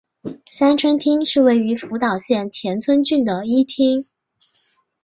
三春町是位于福岛县田村郡的一町。